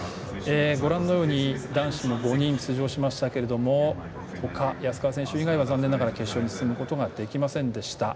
ご覧のように、男子も５人出場しましたけれども他、安川選手以外は残念ながら決勝に進むことはできませんでした。